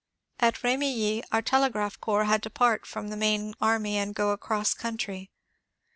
At Bemilly our telegraph corps had to part from the main army and go across country.